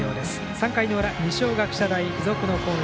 ３回裏、二松学舎大付属の攻撃。